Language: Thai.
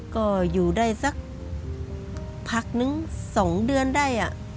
ก็อยู่ได้สักพักนึง๒เดือนได้